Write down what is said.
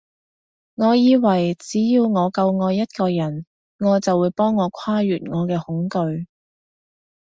我以為只要我夠愛一個人，愛會幫我跨越我嘅恐懼